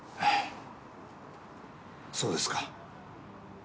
そうですか。